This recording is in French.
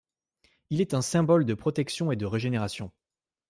Il est un symbole de protection et de régénération.